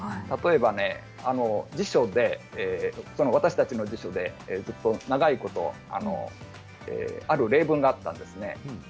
例えば辞書で私たちの辞書で長いことある例文があったんですね。